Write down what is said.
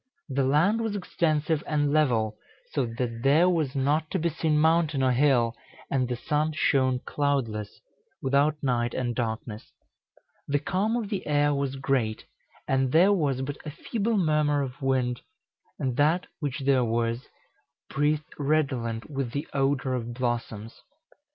The land was extensive and level, so that there was not to be seen mountain or hill, and the sun shone cloudless, without night and darkness; the calm of the air was great, and there was but a feeble murmur of wind, and that which there was, breathed redolent with the odor of blossoms."